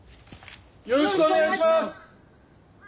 よろしくお願いします！